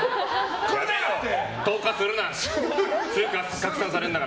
これだろ！って。